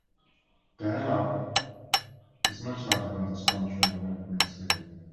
The Elaho is much larger than the Squamish River when it meets with it.